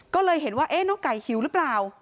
ก็เลยเห็นว่าน้องไก่หิวหรือเปล่า